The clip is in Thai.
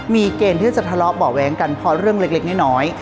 มีเกณฑ์ที่จะทะเลาะเบาะแว้งกันพอเรื่องเล็กน้อย